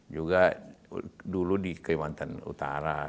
juga dulu di kalimantan utara